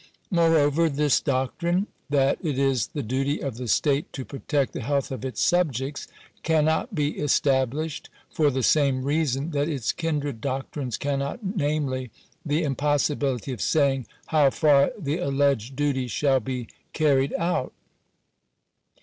Moreover this doctrine, that it is the duty of the state to protect the health of its subjects, cannot be established, for the same reason that its kindred doctrines cannot, namely, the impossibility of saying how far the alleged duty shall be car Digitized by VjOOQIC 874 SANITABY SUPERVISION. ried out.